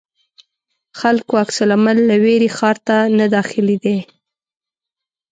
خلکو عکس العمل له وېرې ښار ته نه داخلېدی.